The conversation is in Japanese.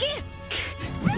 くっ。